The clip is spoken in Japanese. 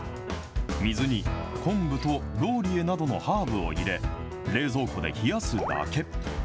水に昆布とローリエなどのハーブを入れ、冷蔵庫で冷やすだけ。